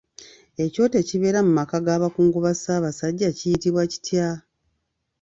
Ekyoto ekibeera mu maka ga bakungu ba Ssaabasajja kiyitibwa kitya?